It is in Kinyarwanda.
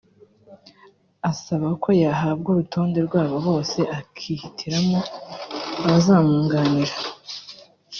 asaba ko yahabwa urutonde rw’abo bose akihitiramo abazamwunganira